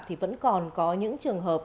thì vẫn còn có những trường hợp